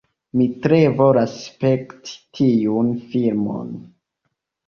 Mi tre volas spekti tiun filmon